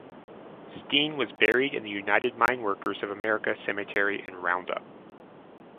Steen was buried in the United Mine Workers of America Cemetery in Roundup.